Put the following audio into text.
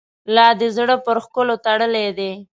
لا دي زړه پر ښکلو تړلی دی.